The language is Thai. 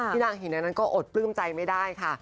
นางเห็นในนั้นก็อดปลื้มใจไม่ได้ค่ะ